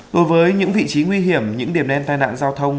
đối với những vị trí nguy hiểm những điểm đen tai nạn giao thông